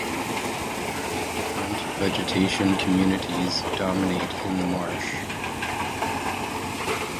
Four different vegetation communities dominate in the marsh.